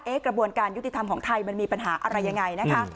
กระบวนการยุติธรรมของไทยมันมีปัญหาอะไรยังไงนะคะ